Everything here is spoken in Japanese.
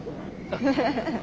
フフフフ。